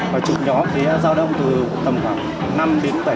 và chụp nhóm thì giao đông từ tầm khoảng năm đến bảy trăm linh một người